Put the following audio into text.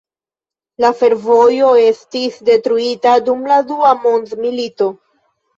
La fervojo estis detruita dum la Dua Mondmilito.